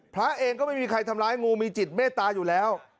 พระเองก็ไม่มีใครทำร้ายงูมีจิตเมตตาอยู่แล้ว